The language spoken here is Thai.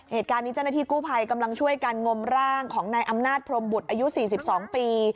เหตุการณ์นี้เจ้าหน้าที่กู้ภัยกำลังช่วยกันงมร่างของนายอำนาจพรมบุตรอายุ๔๒ปี